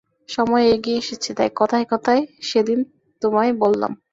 সময় এগিয়ে এসেছে তাই কথায় কথায় সেদিন তোমায় বললাম।